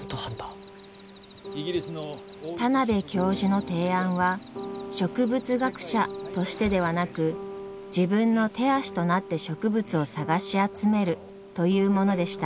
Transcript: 田邊教授の提案は植物学者としてではなく自分の手足となって植物を探し集めるというものでした。